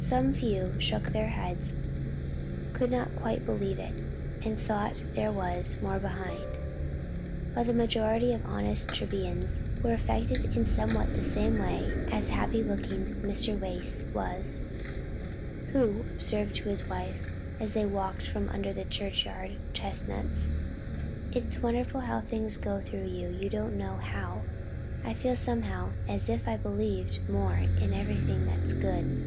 Some few shook their heads; could not quite believe it; and thought there was "more behind." But the majority of honest Trebians were affected somewhat in the same way as happy looking Mr. Wace was, who observed to his wife, as they walked from under the churchyard chestnuts, "It's wonderful how things go through you you don't know how. I feel somehow as if I believed more in everything that's good."